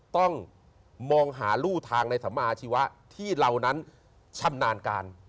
ต้องมองหารู่ทางในสัมมาชีวะที่เรานั้นชำนาญการ